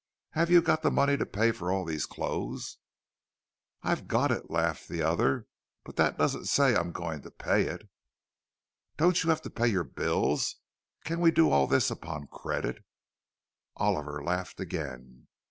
Have you got the money to pay for all these clothes?" "I've got it," laughed the other—"but that doesn't say I'm going to pay it." "Don't you have to pay your bills? Can we do all this upon credit?" Oliver laughed again.